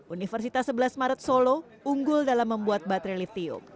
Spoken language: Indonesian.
universitas sebelas maret solo unggul dalam membuat baterai lithium